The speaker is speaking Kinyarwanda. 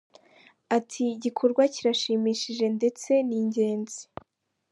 Ati “Igikorwa kirashimishije ndetse ni ingenzi.